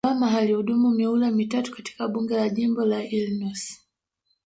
Obama alihudumu mihula mitatu katika Bunge la jimbo la Illinos